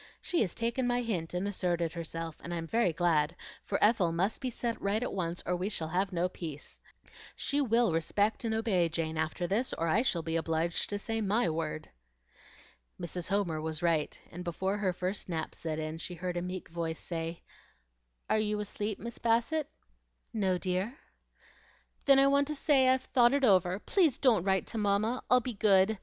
She has taken my hint and asserted herself, and I'm very glad, for Ethel must be set right at once or we shall have no peace. She will respect and obey Jane after this, or I shall be obliged to say MY word." Mrs. Homer was right, and before her first nap set in she heard a meek voice say, "Are you asleep, Miss Bassett?" "No, dear." "Then I want to say, I've thought it over. Please DON'T write to mamma. I'll be good.